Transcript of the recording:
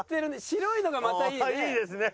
白いのがまたいいよね。